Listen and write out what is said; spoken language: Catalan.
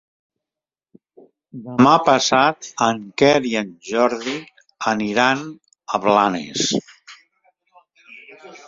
Demà passat en Quer i en Jordi aniran a Blanes.